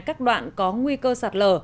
các đoạn có nguy cơ sạt lở